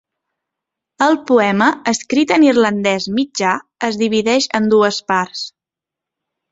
El poema, escrit en irlandès mitjà, es divideix en dues parts.